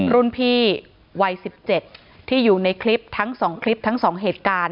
รุ่นพี่วัย๑๗ที่อยู่ในคลิปทั้ง๒คลิปทั้ง๒เหตุการณ์